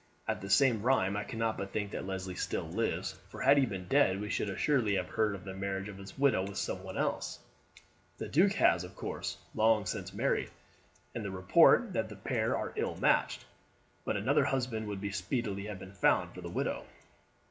At the same rime I cannot but think that Leslie still lives, for had he been dead we should assuredly have heard of the marriage of his widow with some one else. The duke has, of course, long since married, and report says that the pair are ill matched; but another husband would speedily have been found for the widow."